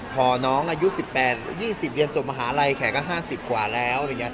พอน้องอายุ๑๘๒๐เรียนจบมหาลัยแขกก็๕๐กว่าแล้ว